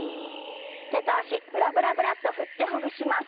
手と脚ブラブラブラッと振ってほぐします。